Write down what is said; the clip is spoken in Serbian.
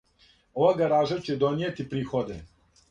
Ова гаража ће донијети приходе.